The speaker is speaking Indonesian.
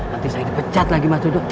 nanti saya dipecat lagi mas tuduh